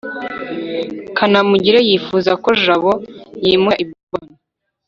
kanamugire yifuza ko jabo yimukira i boston